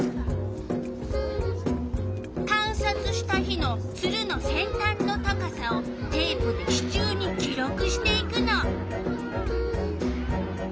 観察した日のツルの先端の高さをテープで支柱に記録していくの。